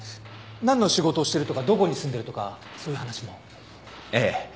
なんの仕事をしてるとかどこに住んでるとかそういう話も？ええ。